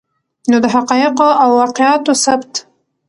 نو د حقایقو او واقعاتو ثبت